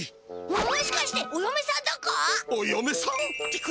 もしかしておよめさんだか？